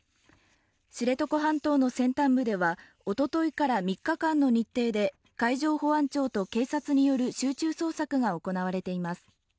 知床半島の先端部では、おとといから３日間の日程で海上保安庁と警察による集中捜索が行われています。